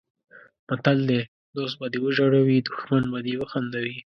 متل دی: دوست به دې وژړوي دښمن به دې وخندوي.